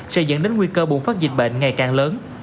sẽ dẫn đến nguy cơ bùng phát dịch bệnh ngày càng lớn